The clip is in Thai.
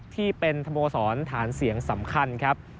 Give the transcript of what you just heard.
ที่เป็นสโมสรฐานเสียงสำคัญครับ